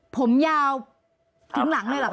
ผมยาวถึงหลังเลยเหรอ